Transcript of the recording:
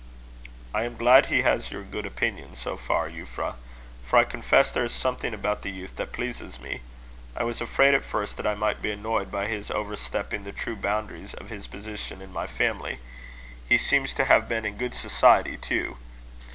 "I am glad he has your good opinion so far, Euphra; for I confess there is something about the youth that pleases me. I was afraid at first that I might be annoyed by his overstepping the true boundaries of his position in my family: he seems to have been in good society, too.